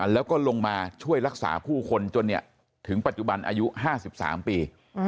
แล้วก็ลงมาช่วยรักษาผู้คนจนถึงปัจจุบันอายุ๕๓ปี